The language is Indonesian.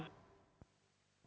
oke baik baik bangetam